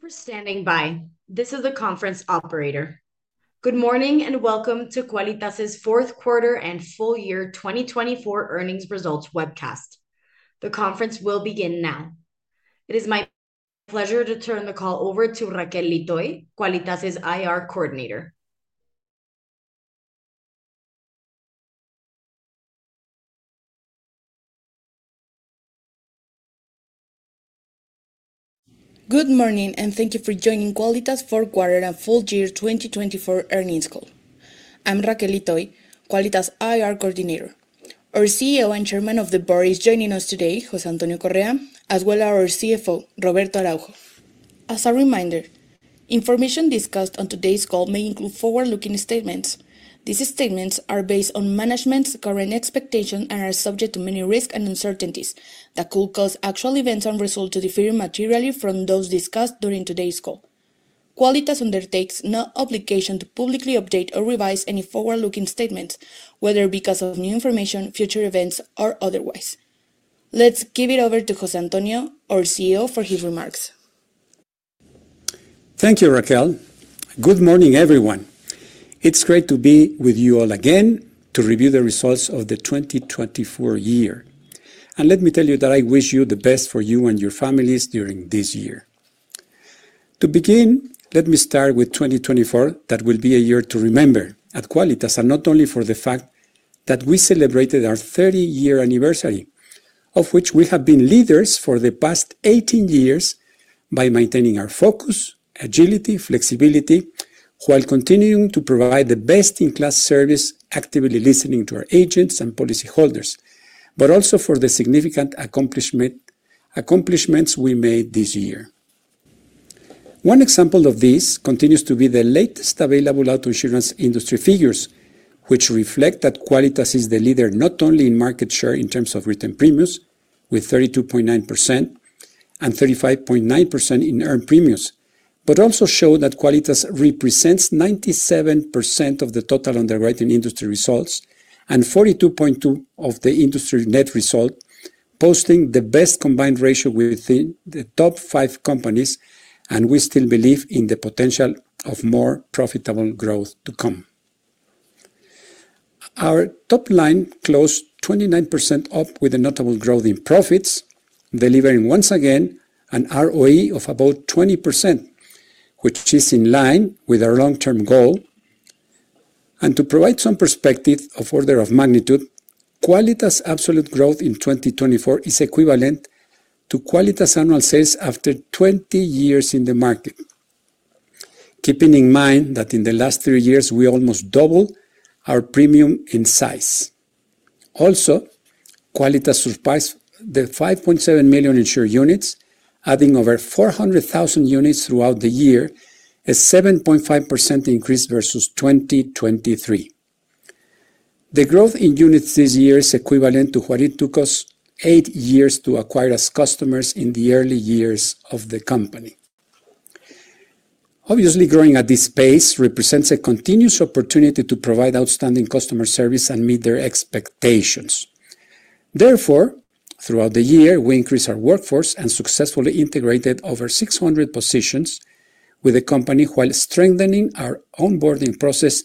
Thank you for standing by. This is the conference operator. Good morning and welcome to Quálitas' fourth quarter and full year 2024 earnings results webcast. The conference will begin now. It is my pleasure to turn the call over to Raquel Leetoy, Quálitas' IR Coordinator. Good morning and thank you for joining Quálitas Fourth Quarter and Full Year 2024 Earnings Call. I'm Raquel Leetoy, Quálitas' IR Coordinator. Our CEO and Chairman of the Board is joining us today, José Antonio Correa, as well as our CFO, Roberto Araujo. As a reminder, information discussed on today's call may include forward-looking statements. These statements are based on management's current expectations and are subject to many risks and uncertainties that could cause actual events and results to differ materially from those discussed during today's call. Quálitas undertakes no obligation to publicly update or revise any forward-looking statements, whether because of new information, future events, or otherwise. Let's give it over to José Antonio, our CEO, for his remarks. Thank you, Raquel. Good morning, everyone. It's great to be with you all again to review the results of the 2024 year. And let me tell you that I wish you the best for you and your families during this year. To begin, let me start with 2024. That will be a year to remember at Quálitas, and not only for the fact that we celebrated our 30-year anniversary, of which we have been leaders for the past 18 years by maintaining our focus, agility, flexibility, while continuing to provide the best-in-class service, actively listening to our agents and policyholders, but also for the significant accomplishments we made this year. One example of this continues to be the latest available auto insurance industry figures, which reflect that Quálitas is the leader not only in market share in terms of written premiums, with 32.9% and 35.9% in earned premiums, but also show that Quálitas represents 97% of the total underwriting industry results and 42.2% of the industry net result, posting the best combined ratio within the top five companies. And we still believe in the potential of more profitable growth to come. Our top line closed 29% up with a notable growth in profits, delivering once again an ROE of about 20%, which is in line with our long-term goal. To provide some perspective of order of magnitude, Quálitas' absolute growth in 2024 is equivalent to Quálitas' annual sales after 20 years in the market, keeping in mind that in the last three years, we almost doubled our premium in size. Also, Quálitas surpassed the 5.7 million insured units, adding over 400,000 units throughout the year, a 7.5% increase versus 2023. The growth in units this year is equivalent to what it took us eight years to acquire as customers in the early years of the company. Obviously, growing at this pace represents a continuous opportunity to provide outstanding customer service and meet their expectations. Therefore, throughout the year, we increased our workforce and successfully integrated over 600 positions with the company, while strengthening our onboarding process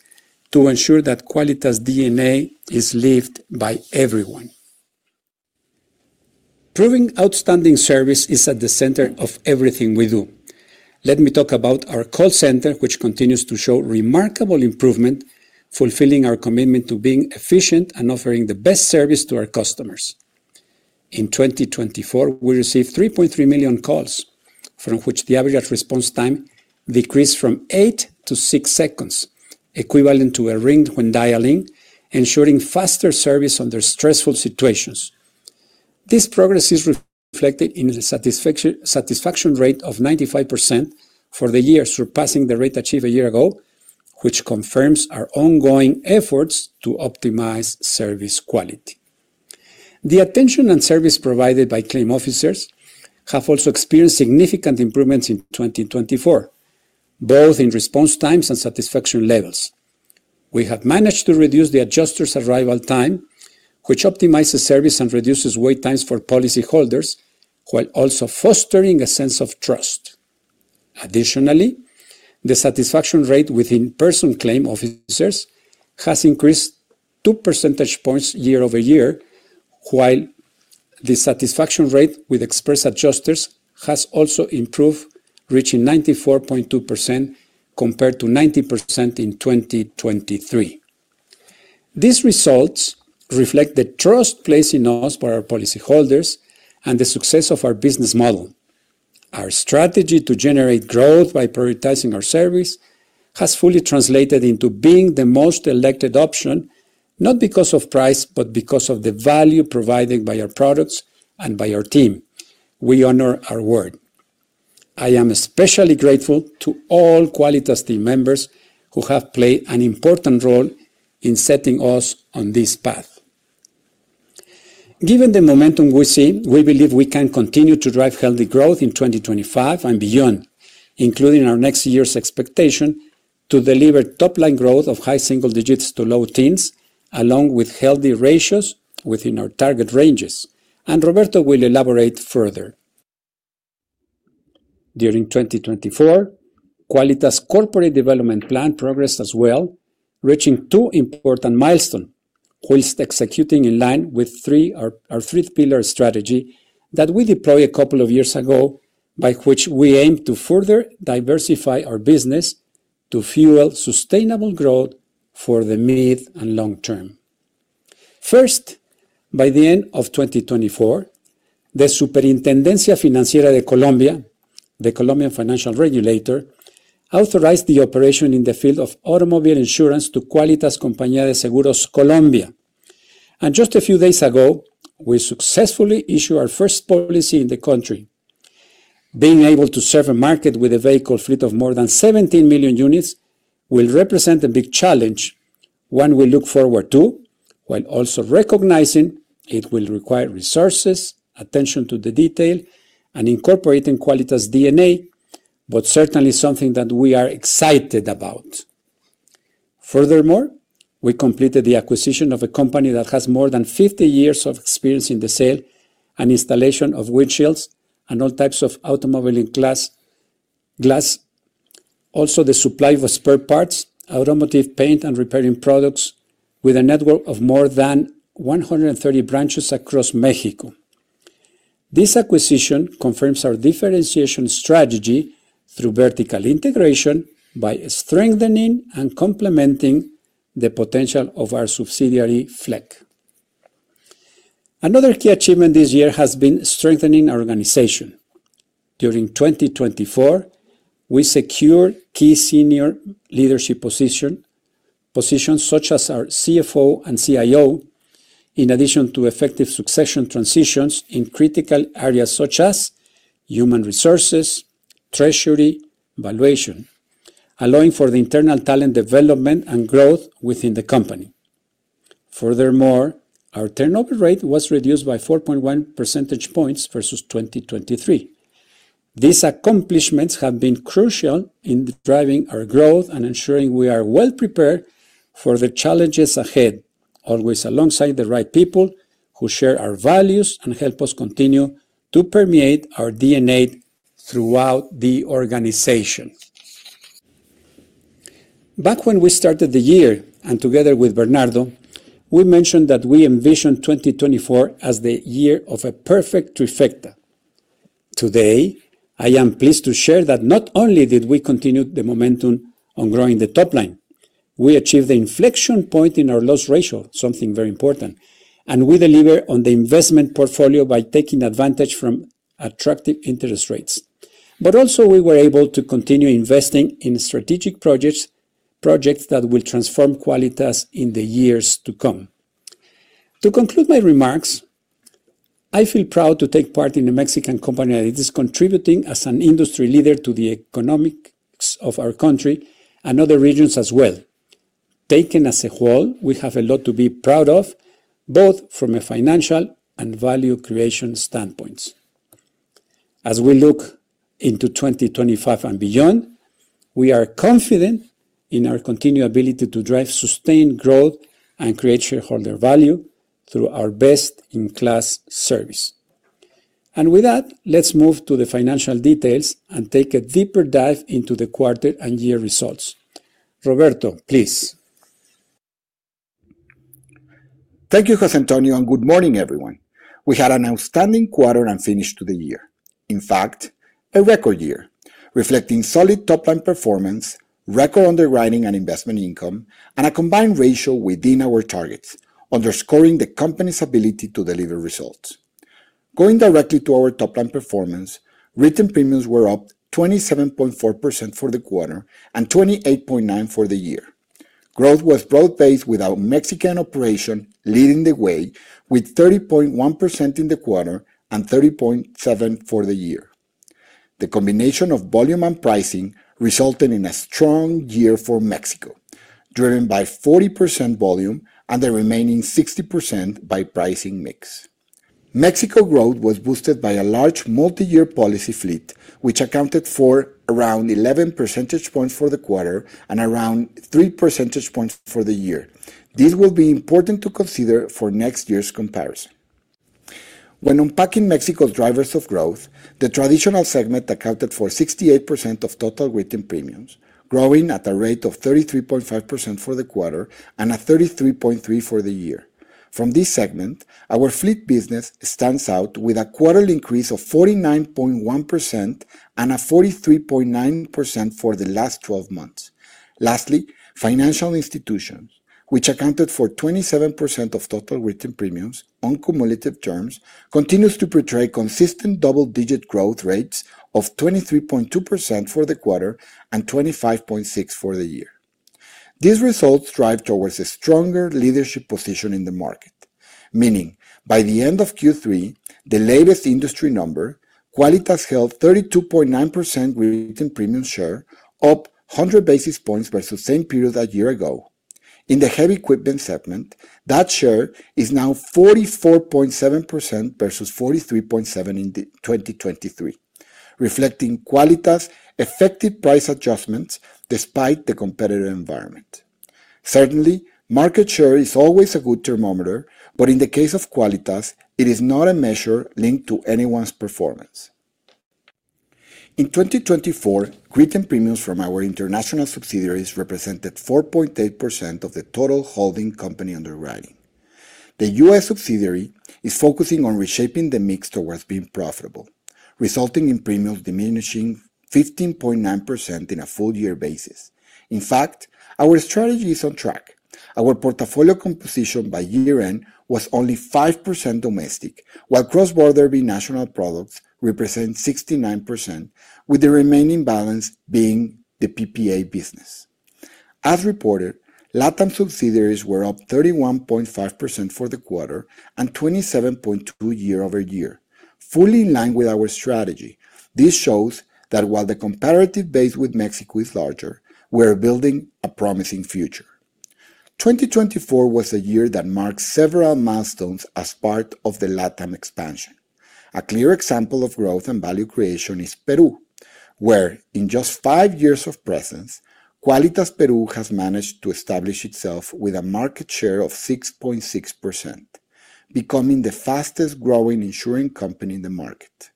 to ensure that Quálitas' DNA is lived by everyone. Proving outstanding service is at the center of everything we do. Let me talk about our call center, which continues to show remarkable improvement, fulfilling our commitment to being efficient and offering the best service to our customers. In 2024, we received 3.3 million calls, from which the average response time decreased from 8 to 6 seconds, equivalent to a ring when dialing, ensuring faster service under stressful situations. This progress is reflected in a satisfaction rate of 95% for the year, surpassing the rate achieved a year ago, which confirms our ongoing efforts to optimize service quality. The attention and service provided by claim officers have also experienced significant improvements in 2024, both in response times and satisfaction levels. We have managed to reduce the adjuster's arrival time, which optimizes service and reduces wait times for policyholders, while also fostering a sense of trust. Additionally, the satisfaction rate with in-person claim officers has increased 2 percentage points year-over-year, while the satisfaction rate with express adjusters has also improved, reaching 94.2% compared to 90% in 2023. These results reflect the trust placed in us by our policyholders and the success of our business model. Our strategy to generate growth by prioritizing our service has fully translated into being the most elected option, not because of price, but because of the value provided by our products and by our team. We honor our word. I am especially grateful to all Quálitas team members who have played an important role in setting us on this path. Given the momentum we see, we believe we can continue to drive healthy growth in 2025 and beyond, including our next year's expectation to deliver top-line growth of high single digits to low teens, along with healthy ratios within our target ranges, and Roberto will elaborate further. During 2024, Quálitas' corporate development plan progressed as well, reaching two important milestones, while executing in line with our three-pillar strategy that we deployed a couple of years ago, by which we aim to further diversify our business to fuel sustainable growth for the mid and long term. First, by the end of 2024, the Superintendencia Financiera de Colombia, the Colombian financial regulator, authorized the operation in the field of automobile insurance to Quálitas Compañía de Seguros Colombia, and just a few days ago, we successfully issued our first policy in the country. Being able to serve a market with a vehicle fleet of more than 17 million units will represent a big challenge, one we look forward to, while also recognizing it will require resources, attention to the detail, and incorporating Quálitas' DNA, but certainly something that we are excited about. Furthermore, we completed the acquisition of a company that has more than 50 years of experience in the sale and installation of windshields and all types of automobile glass. Also, the supply of spare parts, automotive paint, and repairing products with a network of more than 130 branches across Mexico. This acquisition confirms our differentiation strategy through vertical integration by strengthening and complementing the potential of our subsidiary Flekk. Another key achievement this year has been strengthening our organization. During 2024, we secured key senior leadership positions, such as our CFO and CIO, in addition to effective succession transitions in critical areas such as human resources, treasury, valuation, allowing for the internal talent development and growth within the company. Furthermore, our turnover rate was reduced by 4.1 percentage points versus 2023. These accomplishments have been crucial in driving our growth and ensuring we are well prepared for the challenges ahead, always alongside the right people who share our values and help us continue to permeate our DNA throughout the organization. Back when we started the year, and together with Bernardo, we mentioned that we envisioned 2024 as the year of a perfect trifecta. Today, I am pleased to share that not only did we continue the momentum on growing the top line, we achieved the inflection point in our loss ratio, something very important, and we delivered on the investment portfolio by taking advantage from attractive interest rates. But also, we were able to continue investing in strategic projects that will transform Quálitas in the years to come. To conclude my remarks, I feel proud to take part in a Mexican company that is contributing as an industry leader to the economics of our country and other regions as well. Taken as a whole, we have a lot to be proud of, both from a financial and value creation standpoint. As we look into 2025 and beyond, we are confident in our continued ability to drive sustained growth and create shareholder value through our best-in-class service. With that, let's move to the financial details and take a deeper dive into the quarter and year results. Roberto, please. Thank you, José Antonio, and good morning, everyone. We had an outstanding quarter and finished the year. In fact, a record year, reflecting solid top-line performance, record underwriting and investment income, and a combined ratio within our targets, underscoring the company's ability to deliver results. Going directly to our top-line performance, written premiums were up 27.4% for the quarter and 28.9% for the year. Growth was broad-based, with our Mexican operation leading the way, with 30.1% in the quarter and 30.7% for the year. The combination of volume and pricing resulted in a strong year for Mexico, driven by 40% volume and the remaining 60% by pricing mix. Mexico growth was boosted by a large multi-year policy fleet, which accounted for around 11 percentage points for the quarter and around three percentage points for the year. This will be important to consider for next year's comparison. When unpacking Mexico's drivers of growth, the traditional segment accounted for 68% of total written premiums, growing at a rate of 33.5% for the quarter and at 33.3% for the year. From this segment, our fleet business stands out with a quarterly increase of 49.1% and a 43.9% for the last 12 months. Lastly, financial institutions, which accounted for 27% of total written premiums on cumulative terms, continue to portray consistent double-digit growth rates of 23.2% for the quarter and 25.6% for the year. These results drive towards a stronger leadership position in the market, meaning by the end of Q3, the latest industry number, Quálitas held 32.9% written premium share, up 100 basis points versus the same period a year ago. In the heavy equipment segment, that share is now 44.7% versus 43.7% in 2023, reflecting Quálitas' effective price adjustments despite the competitive environment. Certainly, market share is always a good thermometer, but in the case of Quálitas, it is not a measure linked to anyone's performance. In 2024, written premiums from our international subsidiaries represented 4.8% of the total holding company underwriting. The U.S. subsidiary is focusing on reshaping the mix towards being profitable, resulting in premiums diminishing 15.9% in a full-year basis. In fact, our strategy is on track. Our portfolio composition by year-end was only 5% domestic, while cross-border binational products represent 69%, with the remaining balance being the PPA business. As reported, Latin subsidiaries were up 31.5% for the quarter and 27.2% year-over-year, fully in line with our strategy. This shows that while the comparative base with Mexico is larger, we are building a promising future. 2024 was a year that marked several milestones as part of the Latin expansion. A clear example of growth and value creation is Peru, where in just five years of presence, Quálitas Peru has managed to establish itself with a market share of 6.6%, becoming the fastest-growing insuring company in the market,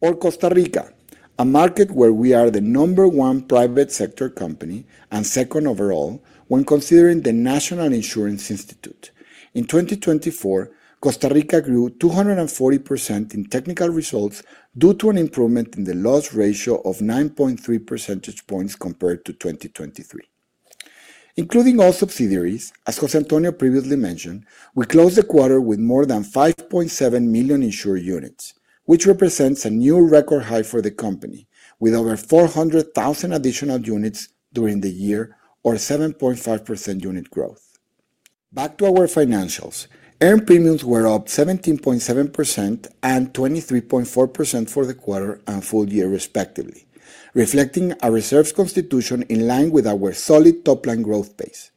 or Costa Rica, a market where we are the number one private sector company and second overall when considering the National Insurance Institute. In 2024, Costa Rica grew 240% in technical results due to an improvement in the loss ratio of 9.3 percentage points compared to 2023. Including all subsidiaries, as José Antonio previously mentioned, we closed the quarter with more than 5.7 million insured units, which represents a new record high for the company, with over 400,000 additional units during the year, or 7.5% unit growth. Back to our financials, earned premiums were up 17.7% and 23.4% for the quarter and full year, respectively, reflecting our reserves constitution in line with our solid top-line growth pace.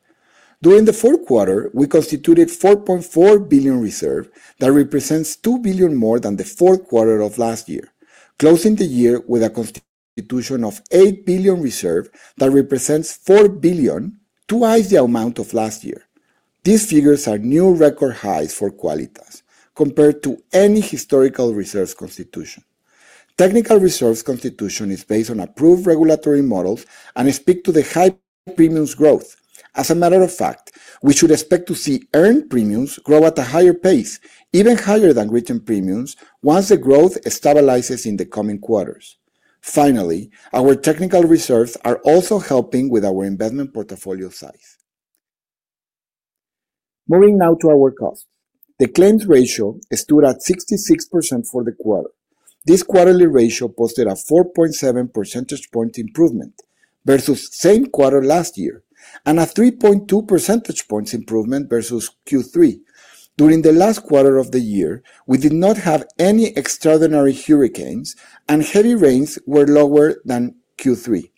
During the fourth quarter, we constituted 4.4 billion reserves that represents 2 billion more than the fourth quarter of last year, closing the year with a constitution of 8 billion reserves that represents 4 billion, twice the amount of last year. These figures are new record highs for Quálitas, compared to any historical reserves constitution. Technical reserves constitution is based on approved regulatory models and speaks to the high premiums growth. As a matter of fact, we should expect to see earned premiums grow at a higher pace, even higher than written premiums, once the growth stabilizes in the coming quarters. Finally, our technical reserves are also helping with our investment portfolio size. Moving now to our costs. The claims ratio stood at 66% for the quarter. This quarterly ratio posted a 4.7 percentage point improvement versus the same quarter last year and a 3.2 percentage points improvement versus Q3. During the last quarter of the year, we did not have any extraordinary hurricanes, and heavy rains were lower than Q3.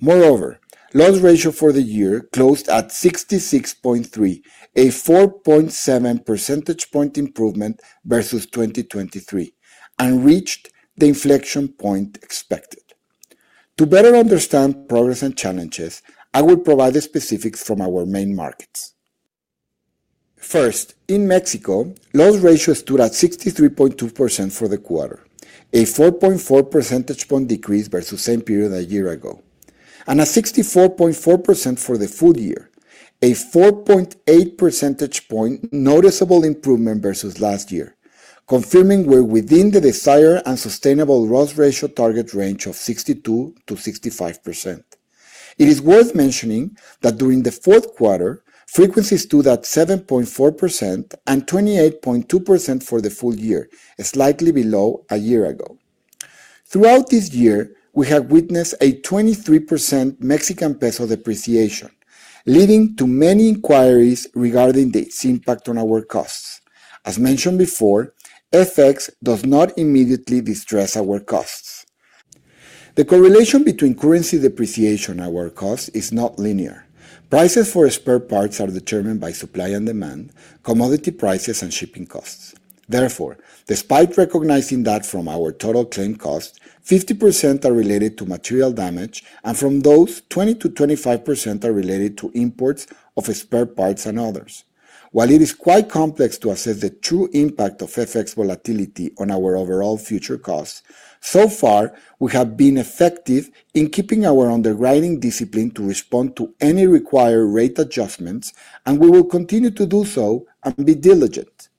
Moreover, loss ratio for the year closed at 66.3%, a 4.7 percentage point improvement versus 2023, and reached the inflection point expected. To better understand progress and challenges, I will provide the specifics from our main markets. First, in Mexico, loss ratio stood at 63.2% for the quarter, a 4.4 percentage point decrease versus the same period a year ago, and at 64.4% for the full year, a 4.8 percentage point noticeable improvement versus last year, confirming we're within the desired and sustainable loss ratio target range of 62%-65%. It is worth mentioning that during the fourth quarter, frequency stood at 7.4% and 28.2% for the full year, slightly below a year ago. Throughout this year, we have witnessed a 23% Mexican peso depreciation, leading to many inquiries regarding its impact on our costs. As mentioned before, FX does not immediately distress our costs. The correlation between currency depreciation and our costs is not linear. Prices for spare parts are determined by supply and demand, commodity prices, and shipping costs. Therefore, despite recognizing that from our total claim costs, 50% are related to material damage, and from those, 20% to 25% are related to imports of spare parts and others. While it is quite complex to assess the true impact of FX volatility on our overall future costs, so far, we have been effective in keeping our underwriting discipline to respond to any required rate adjustments, and we will continue to do so and be diligent.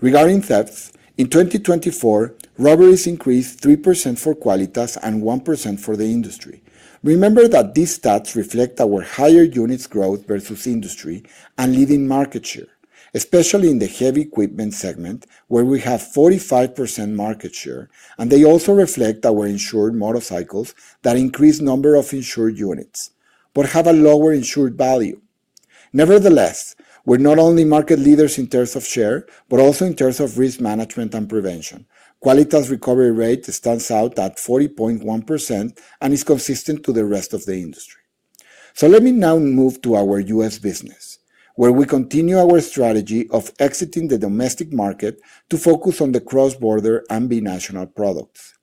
Regarding thefts, in 2024, robberies increased 3% for Quálitas and 1% for the industry. Remember that these stats reflect our higher units growth versus industry and leading market share, especially in the heavy equipment segment, where we have 45% market share, and they also reflect our insured motorcycles that increase the number of insured units, but have a lower insured value. Nevertheless, we're not only market leaders in terms of share, but also in terms of risk management and prevention. Quálitas recovery rate stands out at 40.1% and is consistent to the rest of the industry. So let me now move to our US business, where we continue our strategy of exiting the domestic market to focus on the cross-border and binational products.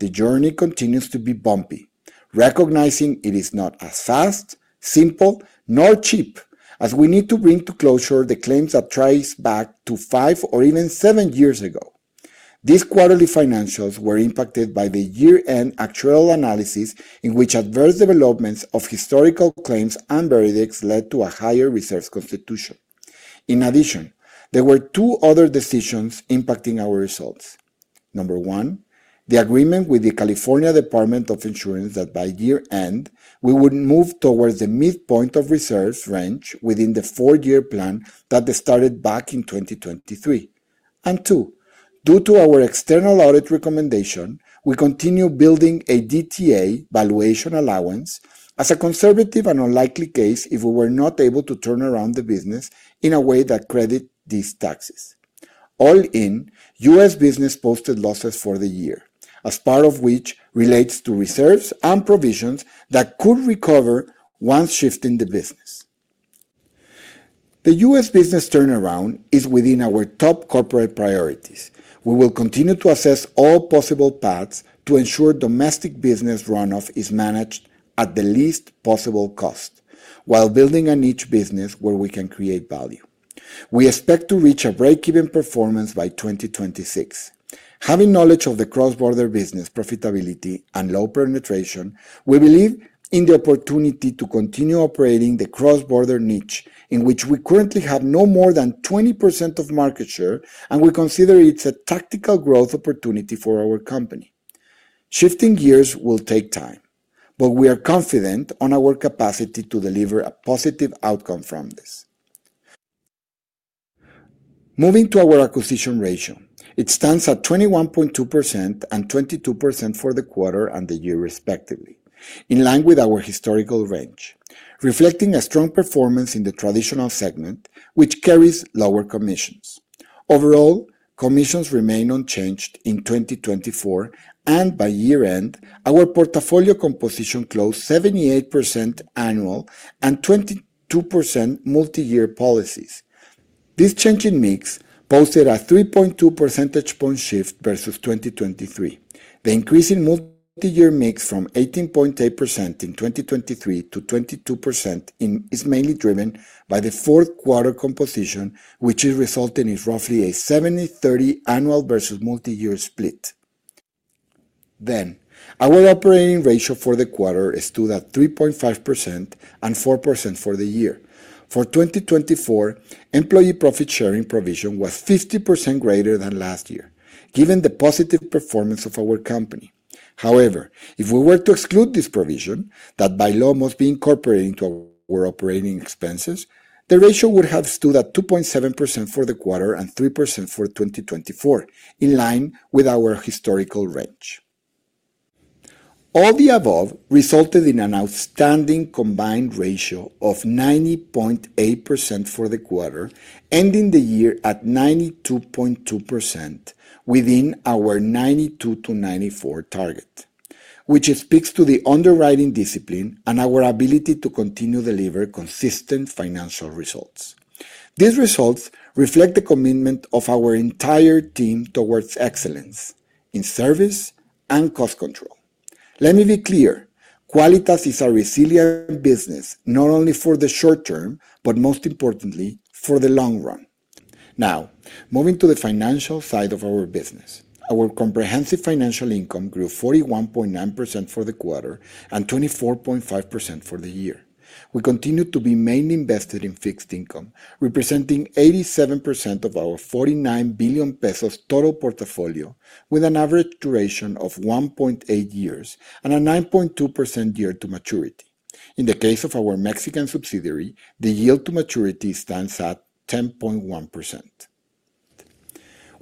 The journey continues to be bumpy, recognizing it is not as fast, simple, nor cheap as we need to bring to closure the claims that trace back to five or even seven years ago. These quarterly financials were impacted by the year-end actual analysis in which adverse developments of historical claims and verdicts led to a higher reserves constitution. In addition, there were two other decisions impacting our results. Number one, the agreement with the California Department of Insurance that by year-end, we would move towards the midpoint of reserves range within the four-year plan that started back in 2023. Two, due to our external audit recommendation, we continue building a DTA valuation allowance as a conservative and unlikely case if we were not able to turn around the business in a way that credits these taxes. All in, U.S. business posted losses for the year, as part of which relates to reserves and provisions that could recover once shifting the business. The U.S. business turnaround is within our top corporate priorities. We will continue to assess all possible paths to ensure domestic business runoff is managed at the least possible cost, while building a niche business where we can create value. We expect to reach a break-even performance by 2026. Having knowledge of the cross-border business profitability and low penetration, we believe in the opportunity to continue operating the cross-border niche in which we currently have no more than 20% of market share, and we consider it a tactical growth opportunity for our company. Shifting gears will take time, but we are confident in our capacity to deliver a positive outcome from this. Moving to our acquisition ratio, it stands at 21.2% and 22% for the quarter and the year, respectively, in line with our historical range, reflecting a strong performance in the traditional segment, which carries lower commissions. Overall, commissions remain unchanged in 2024, and by year-end, our portfolio composition closed 78% annual and 22% multi-year policies. This changing mix posted a 3.2 percentage point shift versus 2023. The increase in multi-year mix from 18.8% in 2023 to 22% is mainly driven by the fourth quarter composition, which is resulting in roughly a 70-30 annual versus multi-year split. Then, our operating ratio for the quarter stood at 3.5% and 4% for the year. For 2024, employee profit sharing provision was 50% greater than last year, given the positive performance of our company. However, if we were to exclude this provision that by law must be incorporated into our operating expenses, the ratio would have stood at 2.7% for the quarter and 3% for 2024, in line with our historical range. All the above resulted in an outstanding combined ratio of 90.8% for the quarter, ending the year at 92.2% within our 92%-94% target, which speaks to the underwriting discipline and our ability to continue to deliver consistent financial results. These results reflect the commitment of our entire team toward excellence in service and cost control. Let me be clear, Quálitas is a resilient business, not only for the short term, but most importantly, for the long run. Now, moving to the financial side of our business, our comprehensive financial income grew 41.9% for the quarter and 24.5% for the year. We continue to be mainly invested in fixed income, representing 87% of our 49 billion pesos total portfolio, with an average duration of 1.8 years and a 9.2% yield-to-maturity. In the case of our Mexican subsidiary, the yield-to-maturity stands at 10.1%.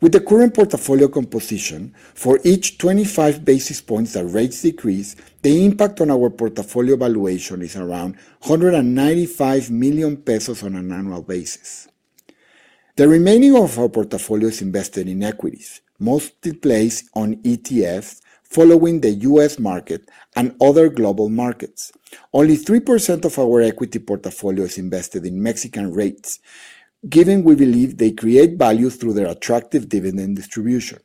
With the current portfolio composition, for each 25 basis points that rates decrease, the impact on our portfolio valuation is around 195 million pesos on an annual basis. The remaining of our portfolio is invested in equities, mostly placed on ETFs, following the U.S. market and other global markets. Only 3% of our equity portfolio is invested in Mexican rates, given we believe they create value through their attractive dividend distribution.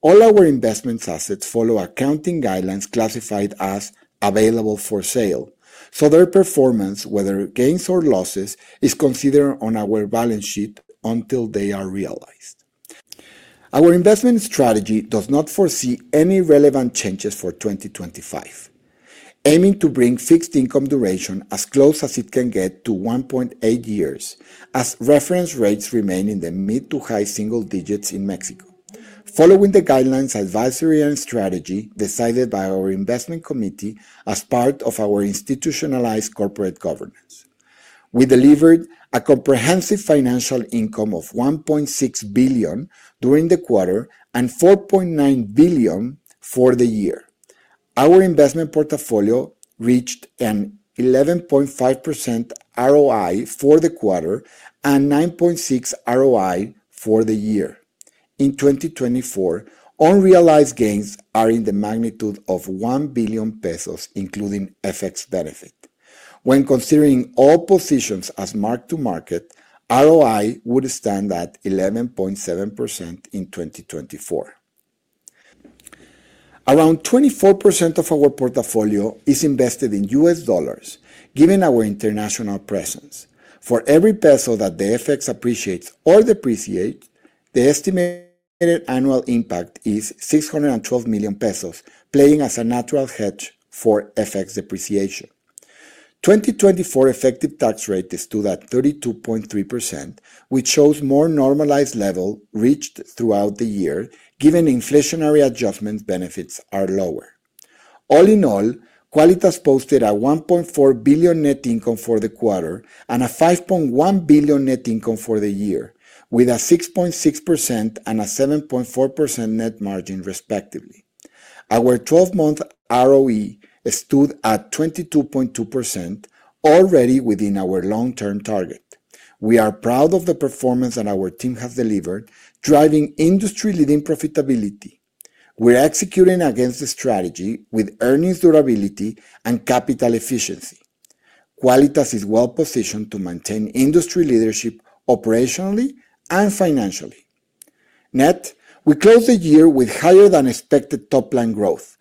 All our investment assets follow accounting guidelines classified as available for sale, so their performance, whether gains or losses, is considered on our balance sheet until they are realized. Our investment strategy does not foresee any relevant changes for 2025, aiming to bring fixed income duration as close as it can get to 1.8 years, as reference rates remain in the mid- to high-single digits in Mexico, following the guidelines, advisory, and strategy decided by our investment committee as part of our institutionalized corporate governance. We delivered a comprehensive financial income of 1.6 billion during the quarter and 4.9 billion for the year. Our investment portfolio reached an 11.5% ROI for the quarter and 9.6% ROI for the year. In 2024, unrealized gains are in the magnitude of 1 billion pesos, including FX benefit. When considering all positions as marked to market, ROI would stand at 11.7% in 2024. Around 24% of our portfolio is invested in US dollars, given our international presence. For every peso that the FX appreciates or depreciates, the estimated annual impact is 612 million pesos, playing as a natural hedge for FX depreciation. 2024 effective tax rate stood at 32.3%, which shows more normalized level reached throughout the year, given inflationary adjustment benefits are lower. All in all, Quálitas posted a 1.4 billion net income for the quarter and a 5.1 billion net income for the year, with a 6.6% and a 7.4% net margin, respectively. Our 12-month ROE stood at 22.2%, already within our long-term target. We are proud of the performance that our team has delivered, driving industry-leading profitability. We're executing against the strategy with earnings durability and capital efficiency. Quálitas is well-positioned to maintain industry leadership operationally and financially. Net, we closed the year with higher-than-expected top-line growth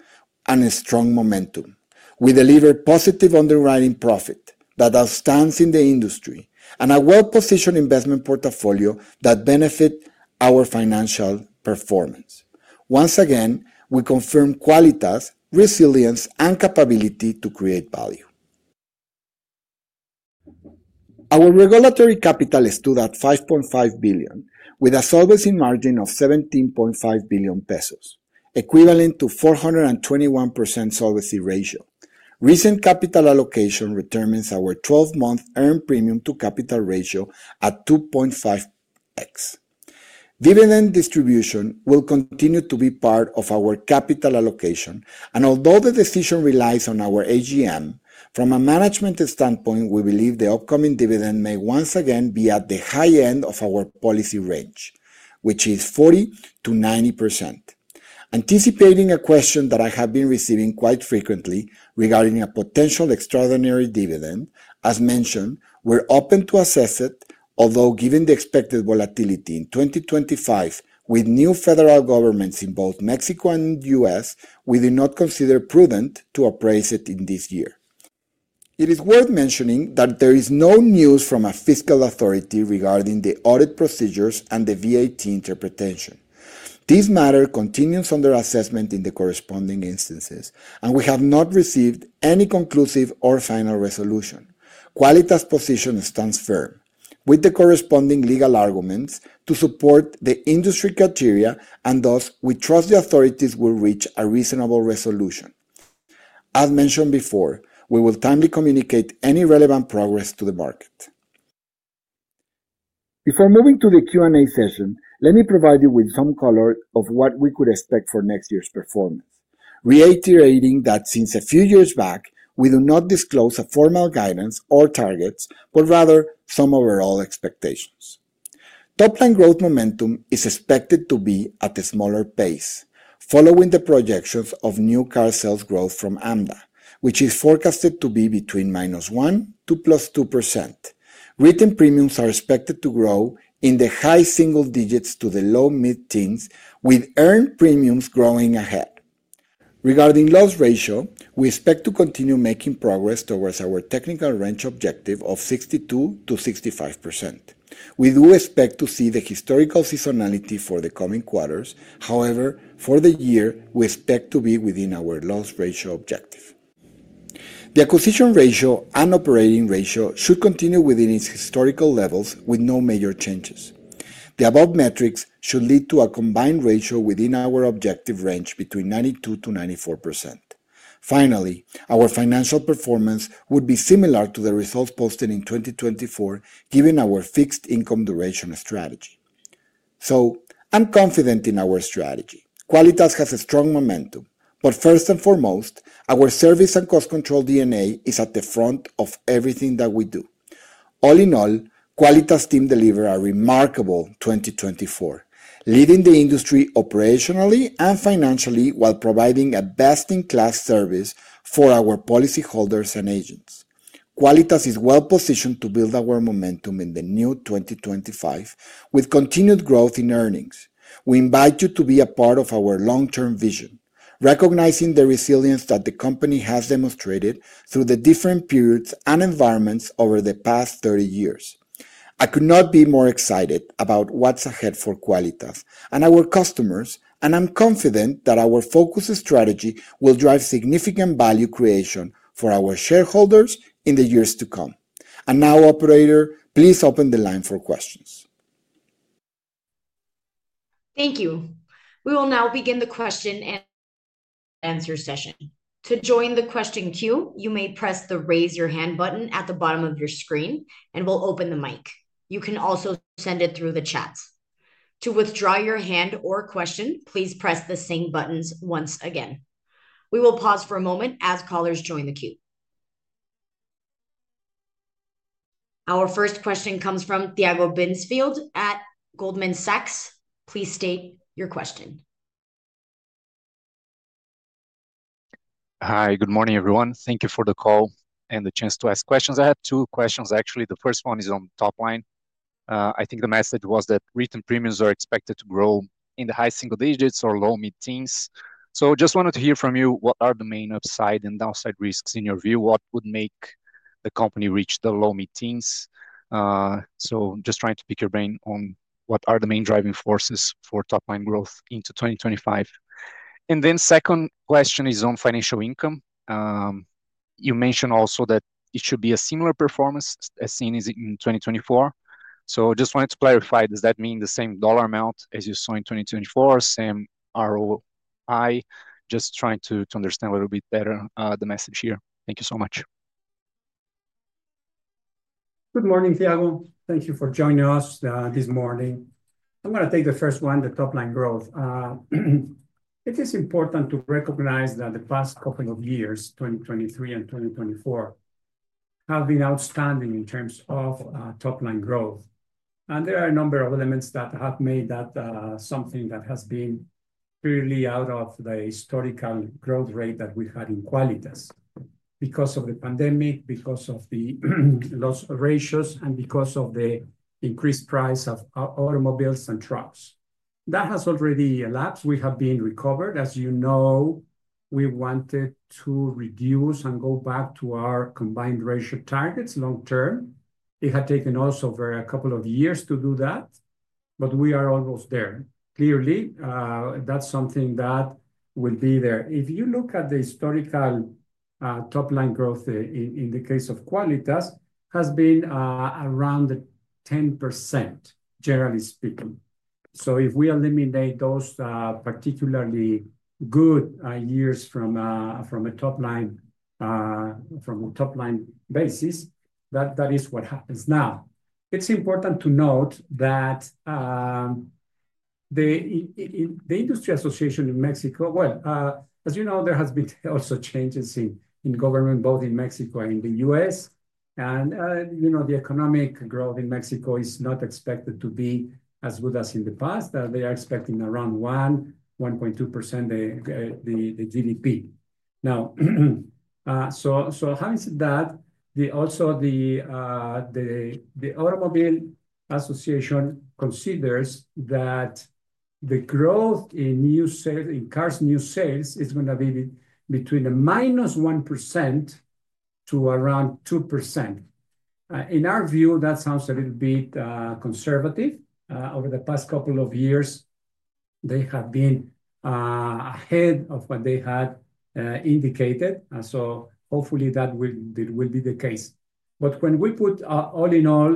and strong momentum. We delivered positive underwriting profit that stands out in the industry and a well-positioned investment portfolio that benefits our financial performance. Once again, we confirm Quálitas' resilience and capability to create value. Our regulatory capital stood at 5.5 billion, with a solvency margin of 17.5 billion pesos, equivalent to 421% solvency ratio. Recent capital allocation determines our 12-month earned premium-to-capital ratio at 2.5x. Dividend distribution will continue to be part of our capital allocation, and although the decision relies on our AGM, from a management standpoint, we believe the upcoming dividend may once again be at the high end of our policy range, which is 40%-90%. Anticipating a question that I have been receiving quite frequently regarding a potential extraordinary dividend, as mentioned, we're open to assess it, although given the expected volatility in 2025 with new federal governments in both Mexico and the U.S., we do not consider it prudent to appraise it in this year. It is worth mentioning that there is no news from a fiscal authority regarding the audit procedures and the VAT interpretation. This matter continues under assessment in the corresponding instances, and we have not received any conclusive or final resolution. Quálitas' position stands firm, with the corresponding legal arguments to support the industry criteria, and thus, we trust the authorities will reach a reasonable resolution. As mentioned before, we will timely communicate any relevant progress to the market. Before moving to the Q&A session, let me provide you with some color of what we could expect for next year's performance, reiterating that since a few years back, we do not disclose a formal guidance or targets, but rather some overall expectations. Top-line growth momentum is expected to be at a smaller pace, following the projections of new car sales growth from AMDA, which is forecasted to be between -1% to +2%. Retail premiums are expected to grow in the high single digits to the low mid-teens, with earned premiums growing ahead. Regarding loss ratio, we expect to continue making progress towards our technical range objective of 62%-65%. We do expect to see the historical seasonality for the coming quarters, however, for the year, we expect to be within our loss ratio objective. The acquisition ratio and operating ratio should continue within its historical levels with no major changes. The above metrics should lead to a combined ratio within our objective range between 92%-94%. Finally, our financial performance would be similar to the results posted in 2024, given our fixed income duration strategy. So, I'm confident in our strategy. Quálitas has a strong momentum, but first and foremost, our service and cost control DNA is at the front of everything that we do. All in all, Quálitas' team delivered a remarkable 2024, leading the industry operationally and financially while providing a best-in-class service for our policyholders and agents. Quálitas is well-positioned to build our momentum in the new 2025, with continued growth in earnings. We invite you to be a part of our long-term vision, recognizing the resilience that the company has demonstrated through the different periods and environments over the past 30 years. I could not be more excited about what's ahead for Quálitas and our customers, and I'm confident that our focus and strategy will drive significant value creation for our shareholders in the years to come, and now, Operator, please open the line for questions. Thank you. We will now begin the question and answer session. To join the question queue, you may press the raise-your-hand button at the bottom of your screen, and we'll open the mic. You can also send it through the chat. To withdraw your hand or question, please press the same buttons once again. We will pause for a moment as callers join the queue. Our first question comes from Tiago Binsfeld at Goldman Sachs. Please state your question. Hi, good morning, everyone. Thank you for the call and the chance to ask questions. I have two questions, actually. The first one is on top line. I think the message was that retail premiums are expected to grow in the high single digits or low mid-teens. So I just wanted to hear from you, what are the main upside and downside risks in your view? What would make the company reach the low mid-teens? So I'm just trying to pick your brain on what are the main driving forces for top-line growth into 2025. And then the second question is on financial income. You mentioned also that it should be a similar performance as seen in 2024. So I just wanted to clarify, does that mean the same dollar amount as you saw in 2024, same ROI? Just trying to understand a little bit better the message here. Thank you so much. Good morning, Tiago. Thank you for joining us this morning. I'm going to take the first one, the top-line growth. It is important to recognize that the past couple of years, 2023 and 2024, have been outstanding in terms of top-line growth. And there are a number of elements that have made that something that has been clearly out of the historical growth rate that we had in Quálitas because of the pandemic, because of the loss ratios, and because of the increased price of automobiles and trucks. That has already elapsed. We have been recovered. As you know, we wanted to reduce and go back to our combined ratio targets long term. It had taken also a couple of years to do that, but we are almost there. Clearly, that's something that will be there. If you look at the historical top-line growth in the case of Quálitas, it has been around 10%, generally speaking. So if we eliminate those particularly good years from a top-line basis, that is what happens now. It's important to note that the industry association in Mexico, well, as you know, there have been also changes in government, both in Mexico and in the U.S. And the economic growth in Mexico is not expected to be as good as in the past. They are expecting around 1%, 1.2% of the GDP. Now, so having said that, also the automobile association considers that the growth in cars' new sales is going to be between -1% to around 2%. In our view, that sounds a little bit conservative. Over the past couple of years, they have been ahead of what they had indicated, so hopefully, that will be the case. But when we put all in all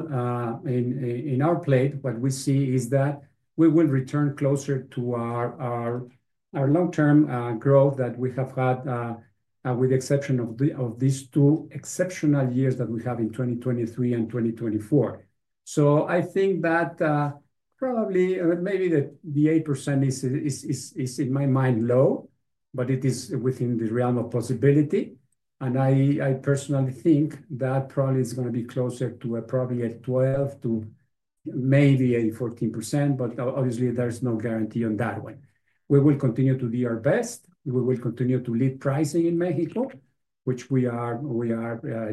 in our plate, what we see is that we will return closer to our long-term growth that we have had, with the exception of these two exceptional years that we have in 2023 and 2024, so I think that probably maybe the 8% is, in my mind, low, but it is within the realm of possibility, and I personally think that probably is going to be closer to probably a 12% to maybe a 14%, but obviously, there's no guarantee on that one. We will continue to do our best. We will continue to lead pricing in Mexico, which we are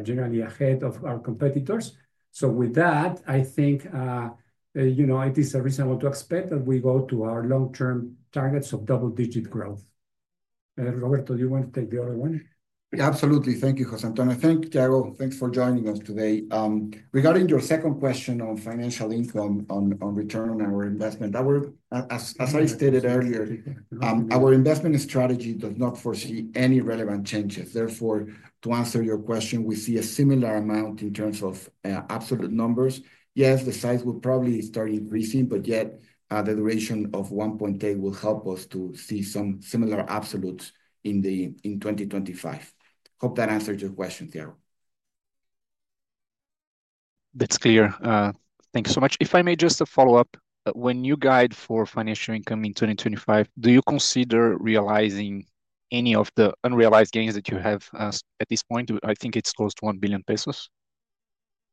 generally ahead of our competitors. So with that, I think it is reasonable to expect that we go to our long-term targets of double-digit growth. Roberto, do you want to take the other one? Yeah, absolutely. Thank you, José Antonio. Thank you, Tiago. Thanks for joining us today. Regarding your second question on financial income, on return on our investment? I stated earlier. Our investment strategy does not foresee any relevant changes. Therefore, to answer your question, we see a similar amount in terms of absolute numbers. Yes, the size will probably start increasing, but yet the duration of 1.8 will help us to see some similar absolutes in 2025. Hope that answered your question, Tiago. That's clear. Thank you so much. If I may just follow up, when you guide for financial income in 2025, do you consider realizing any of the unrealized gains that you have at this point? I think it's close to 1 billion pesos.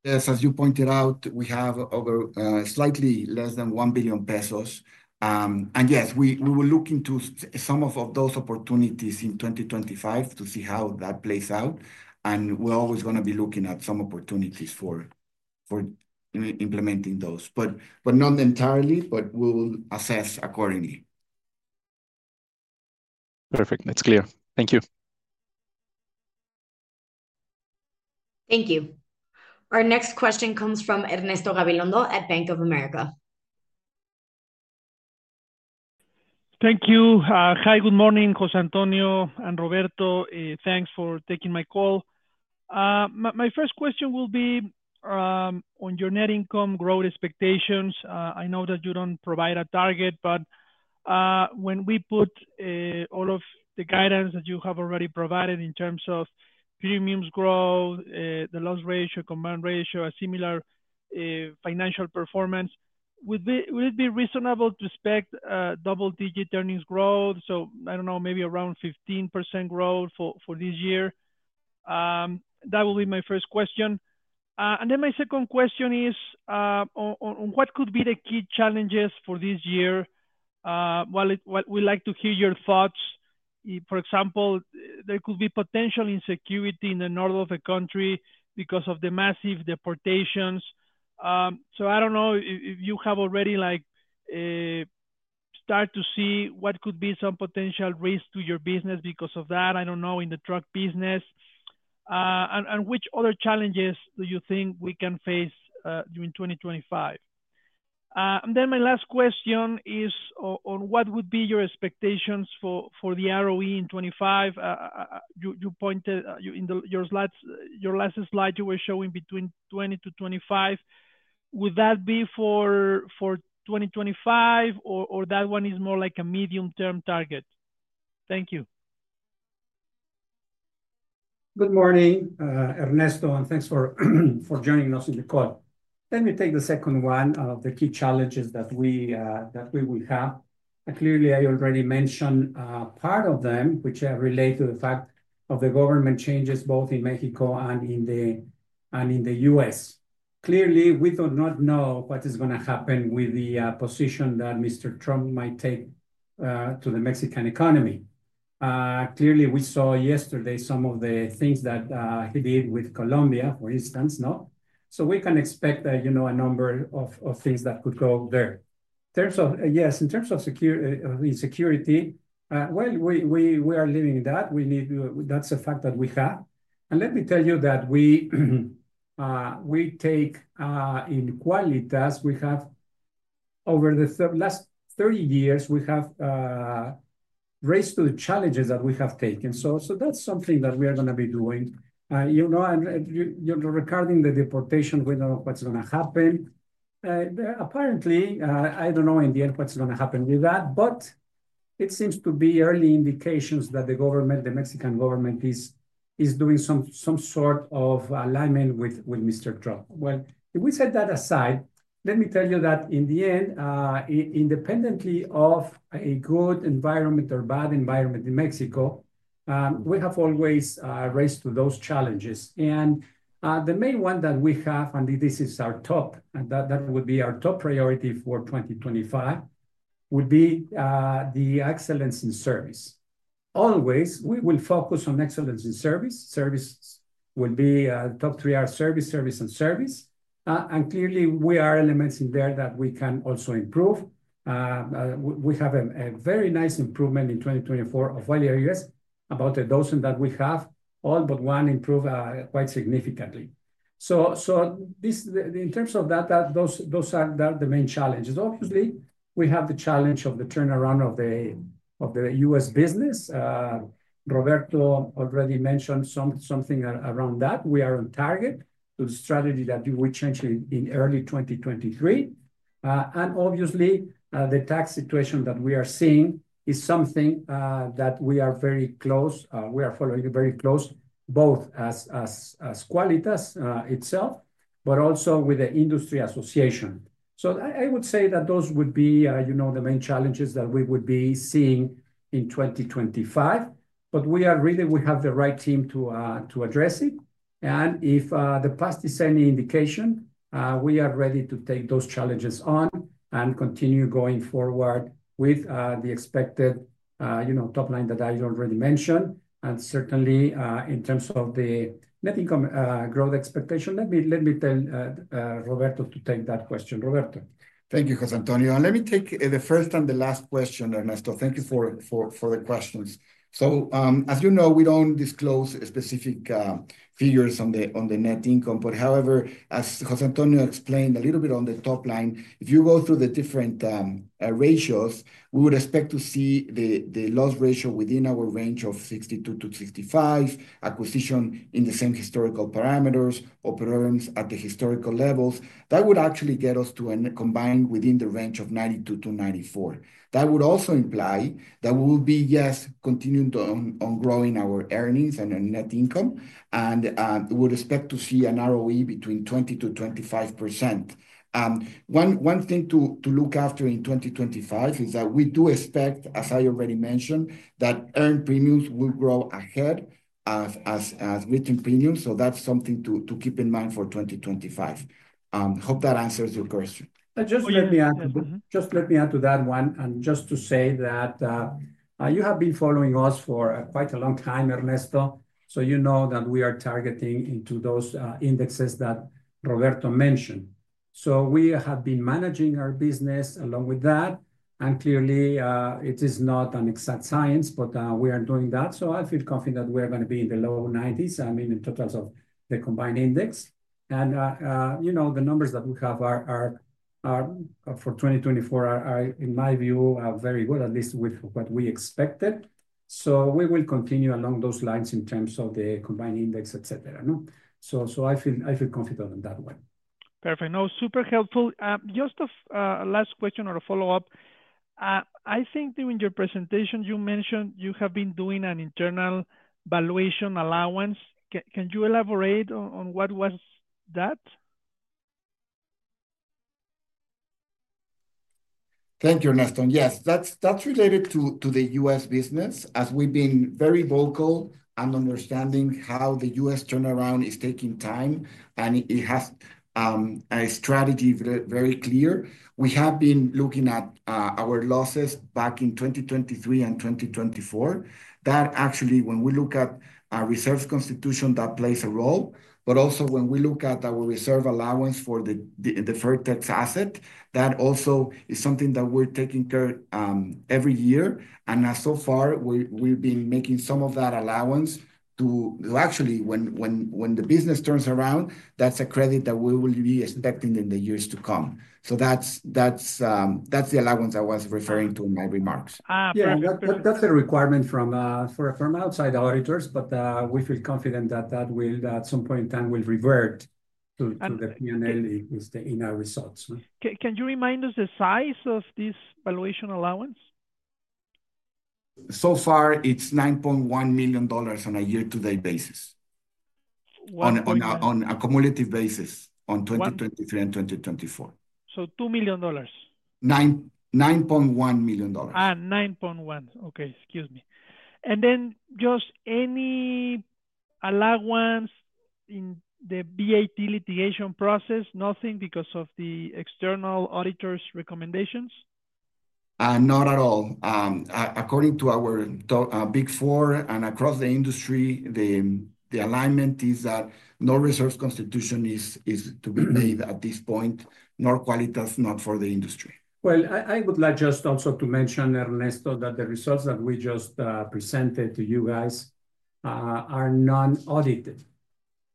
Yes, as you pointed out, we have over slightly less than 1 billion pesos. And yes, we were looking to some of those opportunities in 2025 to see how that plays out. And we're always going to be looking at some opportunities for implementing those, but not entirely, but we will assess accordingly. Perfect. That's clear. Thank you. Thank you. Our next question comes from Ernesto Gabilondo at Bank of America. Thank you. Hi, good morning, José Antonio and Roberto. Thanks for taking my call. My first question will be on your net income growth expectations. I know that you don't provide a target, but when we put all of the guidance that you have already provided in terms of premiums growth, the loss ratio, combined ratio, a similar financial performance, would it be reasonable to expect double-digit earnings growth? I don't know, maybe around 15% growth for this year. That will be my first question. My second question is, what could be the key challenges for this year? We'd like to hear your thoughts. For example, there could be potential insecurity in the north of the country because of the massive deportations. I don't know if you have already started to see what could be some potential risk to your business because of that, I don't know, in the truck business. Which other challenges do you think we can face during 2025? My last question is on what would be your expectations for the ROE in 2025? You pointed in your last slide, you were showing between 20%-25%. Would that be for 2025, or that one is more like a medium-term target? Thank you. Good morning, Ernesto, and thanks for joining us in the call. Let me take the second one of the key challenges that we will have. Clearly, I already mentioned part of them, which relate to the fact of the government changes both in Mexico and in the U.S. Clearly, we do not know what is going to happen with the position that Mr. Trump might take to the Mexican economy. Clearly, we saw yesterday some of the things that he did with Colombia, for instance, no? So we can expect a number of things that could go there. Yes, in terms of insecurity, well, we are living that. That's a fact that we have, and let me tell you that we take in Quálitas; we have over the last 30 years, we have raised to the challenges that we have taken. That's something that we are going to be doing. Regarding the deportation, we don't know what's going to happen. Apparently, I don't know in the end what's going to happen with that, but there seem to be early indications that the government, the Mexican government, is doing some sort of alignment with Mr. Trump. If we set that aside, let me tell you that in the end, independently of a good environment or bad environment in Mexico, we have always risen to those challenges. The main one that we have, and this is our top, and that would be our top priority for 2025, would be the excellence in service. Always, we will focus on excellence in service. Service will be top three are service, service, and service. Clearly, there are elements in there that we can also improve. We have a very nice improvement in 2024 of all areas about a dozen that we have, all but one improved quite significantly, so in terms of that, those are the main challenges. Obviously, we have the challenge of the turnaround of the U.S. business. Roberto already mentioned something around that. We are on target to the strategy that we changed in early 2023, and obviously, the tax situation that we are seeing is something that we are very close. We are following very close, both as Quálitas itself, but also with the industry association, so I would say that those would be the main challenges that we would be seeing in 2025. We have the right team to address it, and if the past is any indication, we are ready to take those challenges on and continue going forward with the expected top line that I already mentioned. And certainly, in terms of the net income growth expectation, let me tell Roberto to take that question. Roberto. Thank you, José Antonio. And let me take the first and the last question, Ernesto. Thank you for the questions. So as you know, we don't disclose specific figures on the net income. But however, as José Antonio explained a little bit on the top line, if you go through the different ratios, we would expect to see the loss ratio within our range of 62%-65%, acquisition in the same historical parameters, operating at the historical levels. That would actually get us to a combined within the range of 92%-94%. That would also imply that we will be, yes, continuing to grow our earnings and net income. And we would expect to see an ROE between 20%-25%. One thing to look after in 2025 is that we do expect, as I already mentioned, that earned premiums will grow ahead as written premiums, so that's something to keep in mind for 2025. I hope that answers your question. Just let me add to that one, and just to say that you have been following us for quite a long time, Ernesto, so you know that we are targeting into those indexes that Roberto mentioned, so we have been managing our business along with that, and clearly, it is not an exact science, but we are doing that, so I feel confident that we are going to be in the low 90s, I mean, in totals of the combined ratio. And the numbers that we have for 2024, in my view, are very good, at least with what we expected. So we will continue along those lines in terms of the combined index, et cetera. So I feel confident on that one. Perfect. No, super helpful. Just a last question or a follow-up. I think during your presentation, you mentioned you have been doing an internal valuation allowance. Can you elaborate on what was that? Thank you, Ernesto. Yes, that's related to the U.S. business. As we've been very vocal and understanding how the U.S. turnaround is taking time, and it has a strategy very clear, we have been looking at our losses back in 2023 and 2024. That actually, when we look at our reserves constitution, that plays a role. But also when we look at our valuation allowance for the deferred tax asset, that also is something that we're taking care of every year. So far, we've been making some of that allowance to actually, when the business turns around, that's a credit that we will be expecting in the years to come. That's the allowance I was referring to in my remarks. Yeah, that's a requirement for outside auditors, but we feel confident that that will, at some point in time, revert to the P&L in our results. Can you remind us the size of this valuation allowance? So far, it's $9.1 million on a year-to-date basis. On a cumulative basis on 2023 and 2024. So $2 million. $9.1 million. $9.1. Okay, excuse me. And then just any allowance in the VAT litigation process, nothing because of the external auditor's recommendations? Not at all. According to our Big Four and across the industry, the alignment is that no reserves constitution is to be made at this point, nor Quálitas, not for the industry. I would like just also to mention, Ernesto, that the results that we just presented to you guys are non-audited.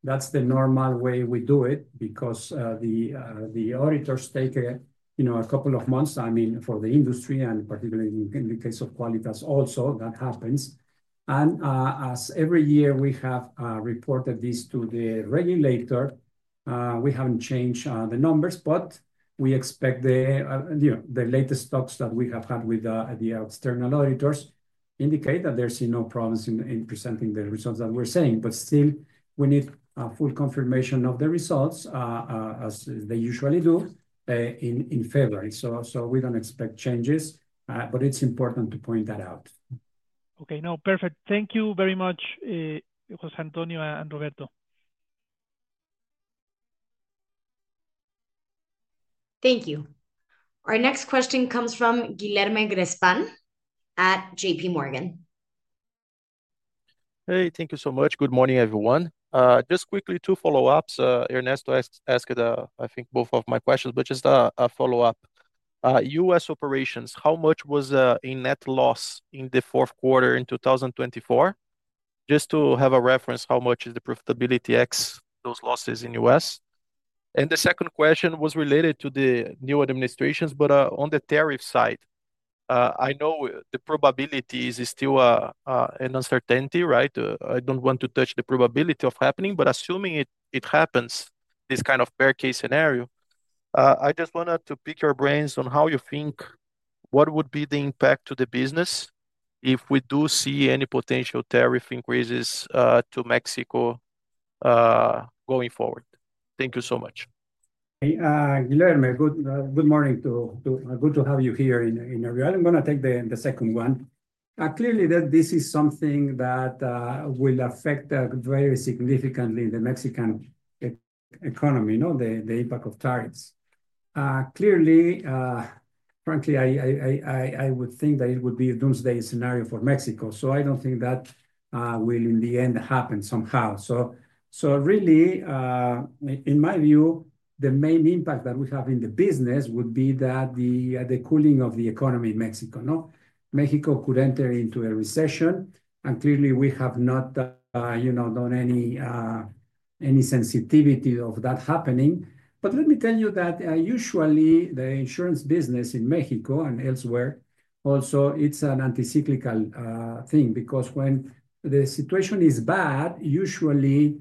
That's the normal way we do it because the auditors take a couple of months, I mean, for the industry, and particularly in the case of Quálitas, also that happens. As every year we have reported this to the regulator, we haven't changed the numbers, but we expect the latest talks that we have had with the external auditors indicate that there's no problems in presenting the results that we're saying. Still, we need full confirmation of the results, as they usually do, in February. We don't expect changes, but it's important to point that out. Okay, no, perfect. Thank you very much, José Antonio and Roberto. Thank you. Our next question comes from Guilherme Grespan at JP Morgan. Hey, thank you so much. Good morning, everyone. Just quickly two follow-ups. Ernesto asked, I think, both of my questions, but just a follow-up. U.S. operations, how much was a net loss in the fourth quarter in 2024? Just to have a reference, how much is the profitability ex those losses in U.S.? And the second question was related to the new administrations, but on the tariff side, I know the probability is still an uncertainty, right? I don't want to touch the probability of happening, but assuming it happens, this kind of bear case scenario, I just wanted to pick your brains on how you think what would be the impact to the business if we do see any potential tariff increases to Mexico going forward. Thank you so much. Guilherme, good morning. Good to have you here in the room. I'm going to take the second one. Clearly, this is something that will affect very significantly the Mexican economy, the impact of tariffs. Clearly, frankly, I would think that it would be a doomsday scenario for Mexico. So I don't think that will in the end happen somehow. So really, in my view, the main impact that we have in the business would be the cooling of the economy in Mexico. Mexico could enter into a recession, and clearly, we have not done any sensitivity of that happening. But let me tell you that usually, the insurance business in Mexico and elsewhere, also it's a counter-cyclical thing because when the situation is bad, usually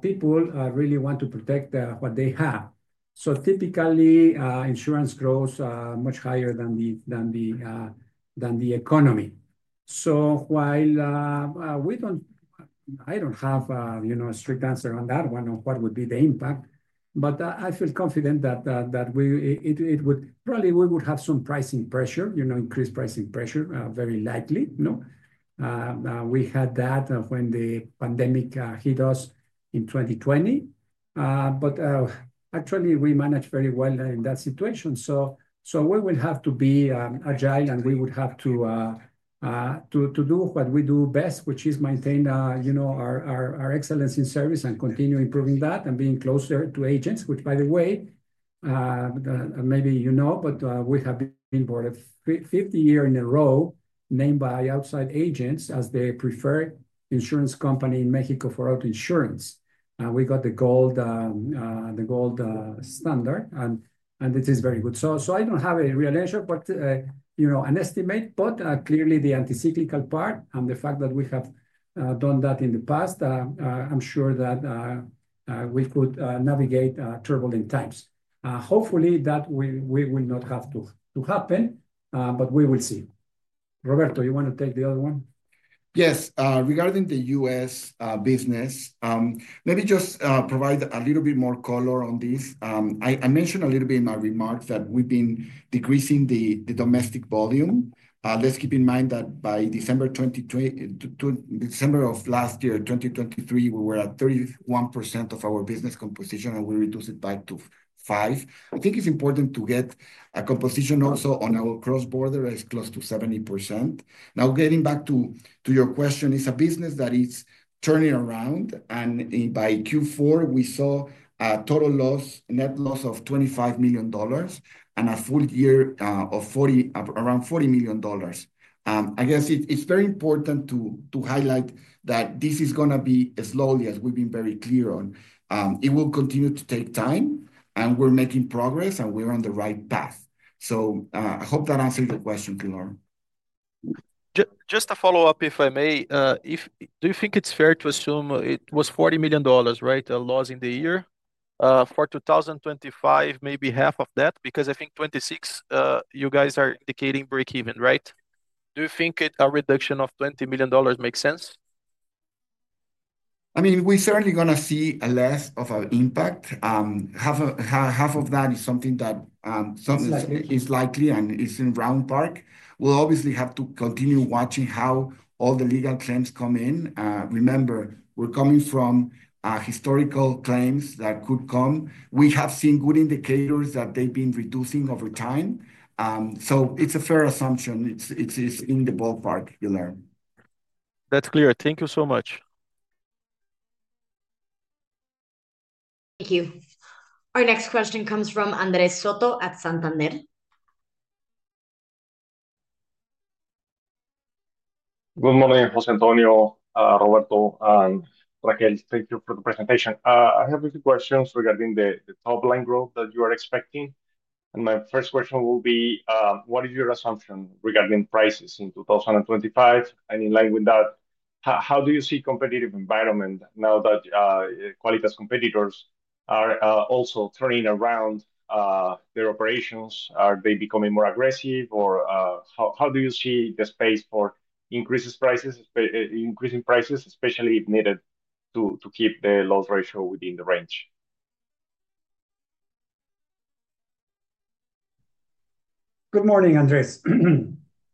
people really want to protect what they have. So typically, insurance grows much higher than the economy. While I don't have a strict answer on that one on what would be the impact, but I feel confident that it would probably have some pricing pressure, increased pricing pressure, very likely. We had that when the pandemic hit us in 2020. Actually, we managed very well in that situation. We will have to be agile, and we would have to do what we do best, which is maintain our excellence in service and continue improving that and being closer to agents, which, by the way, maybe you know, but we have been for 50 years in a row named by outside agents as the preferred insurance company in Mexico for auto insurance. We got the gold standard. This is very good. I don't have a real answer, but an estimate. But clearly, the anti-cyclical part and the fact that we have done that in the past, I'm sure that we could navigate turbulent times. Hopefully, that we will not have to happen, but we will see. Roberto, you want to take the other one? Yes. Regarding the US business, maybe just provide a little bit more color on this. I mentioned a little bit in my remarks that we've been decreasing the domestic volume. Let's keep in mind that by December of last year, 2023, we were at 31% of our business composition, and we reduced it by 2.5. I think it's important to get a composition also on our cross-border as close to 70%. Now, getting back to your question, it's a business that is turning around. And by Q4, we saw a total loss, net loss of $25 million and a full year of around $40 million. I guess it's very important to highlight that this is going to be slowly, as we've been very clear on. It will continue to take time, and we're making progress, and we're on the right path. So I hope that answered your question, Guilherme. Just a follow-up, if I may. Do you think it's fair to assume it was $40 million, right, a loss in the year? For 2025, maybe half of that, because I think 2026, you guys are indicating break-even, right? Do you think a reduction of $20 million makes sense? I mean, we're certainly going to see less of an impact. Half of that is something that is likely and is in the ballpark. We'll obviously have to continue watching how all the legal claims come in. Remember, we're coming from historical claims that could come. We have seen good indicators that they've been reducing over time. So it's a fair assumption. It's in the ballpark, Guilherme. That's clear. Thank you so much. Thank you. Our next question comes from Andrés Soto at Santander. Good morning, José Antonio, Roberto, and Raquel. Thank you for the presentation. I have a few questions regarding the top line growth that you are expecting. And my first question will be, what is your assumption regarding prices in 2025? And in line with that, how do you see a competitive environment now that Quálitas competitors are also turning around their operations? Are they becoming more aggressive? Or how do you see the space for increasing prices, especially if needed to keep the loss ratio within the range? Good morning, Andrés.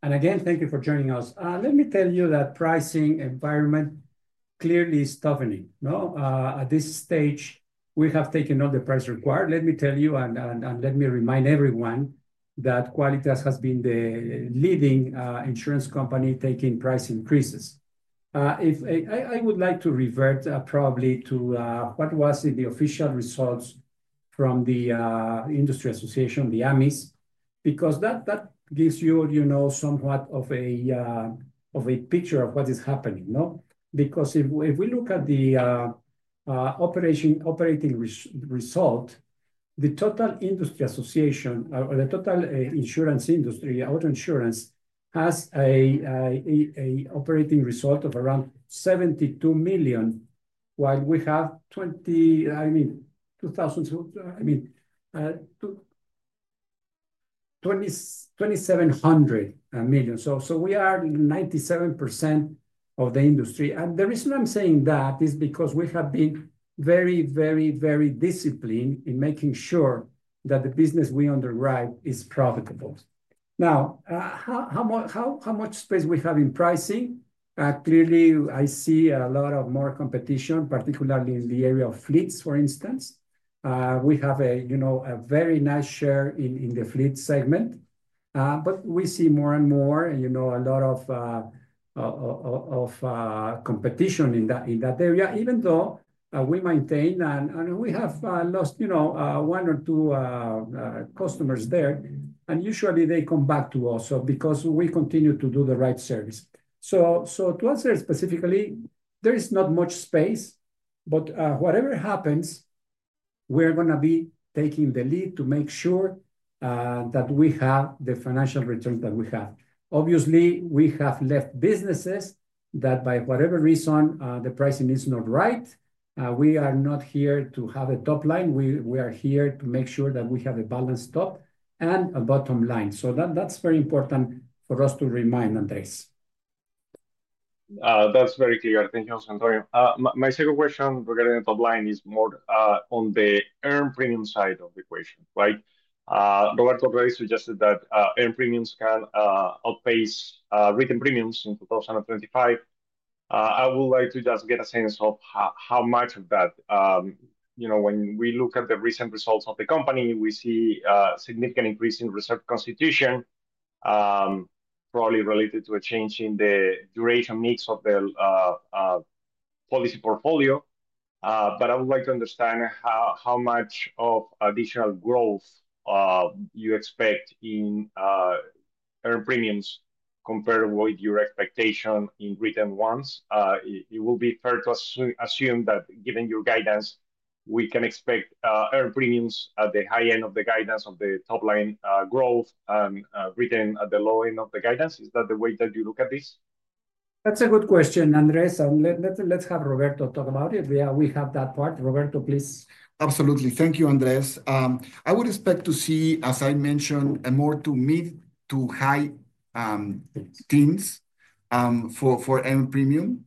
And again, thank you for joining us. Let me tell you that the pricing environment clearly is toughening. At this stage, we have taken all the price required. Let me tell you, and let me remind everyone that Quálitas has been the leading insurance company taking price increases. I would like to revert probably to what was in the official results from the industry association, the AMIS, because that gives you somewhat of a picture of what is happening. Because if we look at the operating result, the total industry association or the total insurance industry, auto insurance, has an operating result of around $72 million, while we have 20, I mean, $2,000, I mean, $2,700 million. So we are 97% of the industry. And the reason I'm saying that is because we have been very, very, very disciplined in making sure that the business we underwrite is profitable. Now, how much space we have in pricing? Clearly, I see a lot of more competition, particularly in the area of fleets, for instance. We have a very nice share in the fleet segment. But we see more and more a lot of competition in that area, even though we maintain and we have lost one or two customers there. And usually, they come back to us because we continue to do the right service. So to answer specifically, there is not much space. But whatever happens, we're going to be taking the lead to make sure that we have the financial returns that we have. Obviously, we have left businesses that, by whatever reason, the pricing is not right. We are not here to have a top line. We are here to make sure that we have a balanced top and a bottom line. So that's very important for us to remind, Andrés. That's very clear. Thank you, José Antonio. My second question regarding the top line is more on the earned premium side of the equation, right? Roberto already suggested that earned premiums can outpace written premiums in 2025. I would like to just get a sense of how much of that. When we look at the recent results of the company, we see a significant increase in reserve constitution, probably related to a change in the duration mix of the policy portfolio. But I would like to understand how much of additional growth you expect in earned premiums compared with your expectation in written ones. It will be fair to assume that, given your guidance, we can expect earned premiums at the high end of the guidance of the top line growth and written at the low end of the guidance. Is that the way that you look at this? That's a good question, Andrés. And let's have Roberto talk about it. We have that part. Roberto, please. Absolutely. Thank you, Andrés. I would expect to see, as I mentioned, more to mid to high teens for earned premium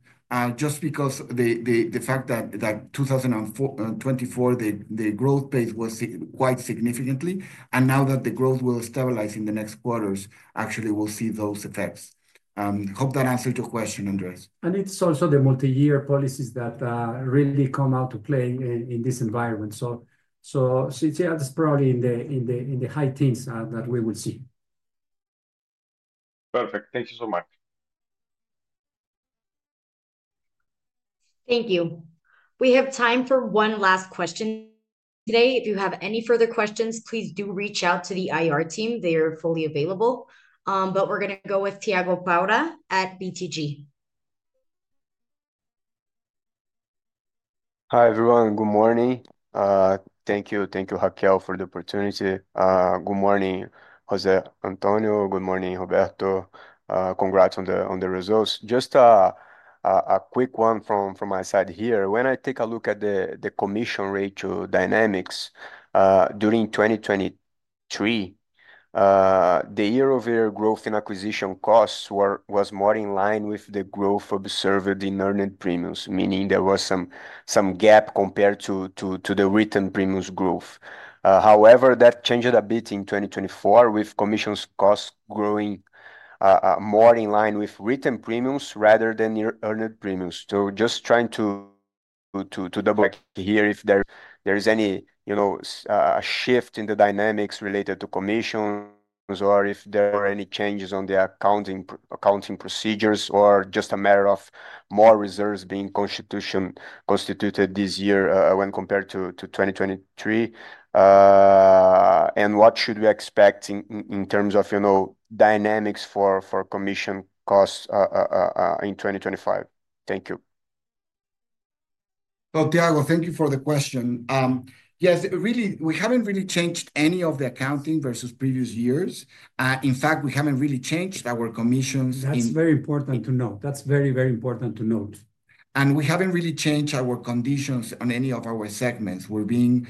just because the fact that 2024, the growth pace was quite significantly. And now that the growth will stabilize in the next quarters, actually, we'll see those effects. Hope that answered your question, Andrés. And it's also the multi-year policies that really come out to play in this environment. So yeah, that's probably in the high teens that we will see. Perfect. Thank you so much. Thank you. We have time for one last question today. If you have any further questions, please do reach out to the IR team. They are fully available. But we're going to go with Thiago Paura at BTG. Hi, everyone. Good morning. Thank you. Thank you, Raquel, for the opportunity. Good morning, José Antonio. Good morning, Roberto. Congrats on the results. Just a quick one from my side here. When I take a look at the commission ratio dynamics during 2023, the year-over-year growth in acquisition costs was more in line with the growth observed in earned premiums, meaning there was some gap compared to the written premiums growth. However, that changed a bit in 2024 with commissions costs growing more in line with written premiums rather than earned premiums, so just trying to double-check here if there's any shift in the dynamics related to commissions or if there are any changes on the accounting procedures or just a matter of more reserves being constituted this year when compared to 2023. And what should we expect in terms of dynamics for commission costs in 2025? Thank you. Well, Thiago, thank you for the question. Yes, really, we haven't really changed any of the accounting versus previous years. In fact, we haven't really changed our commissions. That's very important to note. That's very, very important to note, And we haven't really changed our conditions on any of our segments. We're being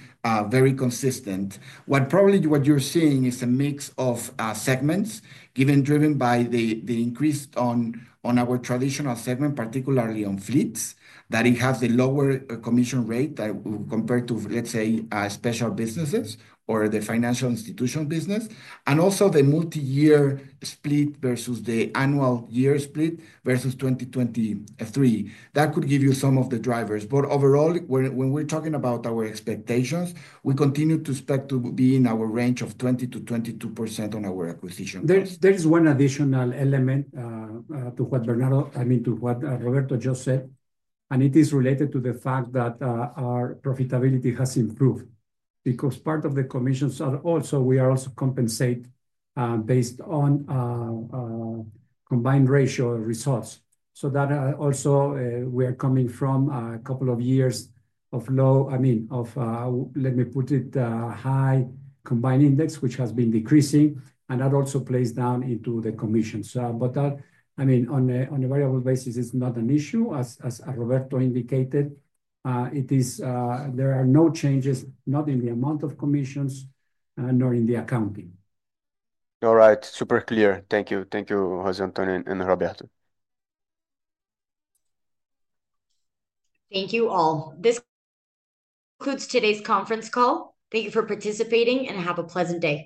very consistent. Probably what you're seeing is a mix of segments, given driven by the increase on our traditional segment, particularly on fleets, that it has the lower commission rate compared to, let's say, special businesses or the financial institution business, and also the multi-year split versus the annual year split versus 2023. That could give you some of the drivers, but overall, when we're talking about our expectations, we continue to expect to be in our range of 20%-22% on our acquisition. There is one additional element to what Bernardo, I mean, to what Roberto just said. And it is related to the fact that our profitability has improved because part of the commissions are also we are also compensated based on combined ratio results. So that also we are coming from a couple of years of low, I mean, of, let me put it, high combined index, which has been decreasing. And that also plays down into the commissions. But I mean, on a variable basis, it's not an issue. As Roberto indicated, there are no changes, not in the amount of commissions nor in the accounting. All right. Super clear. Thank you. Thank you, José Antonio and Roberto. Thank you all. This concludes today's conference call. Thank you for participating and have a pleasant day.